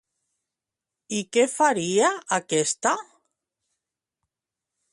I què faria aquesta?